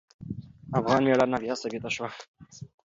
افغان میړانه بیا ثابته شوه.